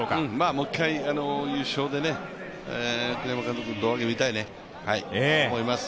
もう一回、優勝で栗山監督、胴上げ見たいと思います。